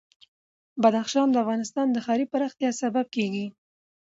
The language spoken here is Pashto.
بدخشان د افغانستان د ښاري پراختیا سبب کېږي.